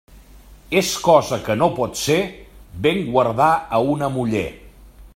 És cosa que no pot ser, ben guardar a una muller.